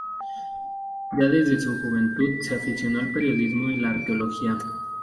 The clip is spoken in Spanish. Ya desde su juventud se aficionó al periodismo y la arqueología.